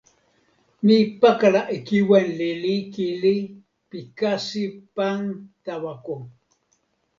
mi pakala e kiwen lili kili pi kasi pan tawa ko.